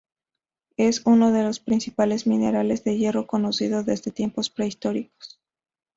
Es uno de los principales minerales de hierro conocido desde tiempos prehistóricos.